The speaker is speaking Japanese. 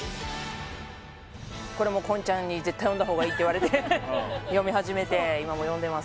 これもこんちゃんに絶対読んだ方がいいって言われて読み始めて今も読んでます